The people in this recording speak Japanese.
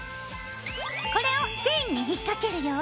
これをチェーンに引っ掛けるよ。